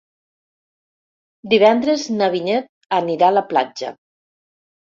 Divendres na Vinyet anirà a la platja.